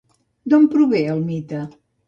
D'on prové el mite?